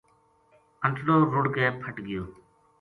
انٹڑو رُڑھ کے پھٹ گیو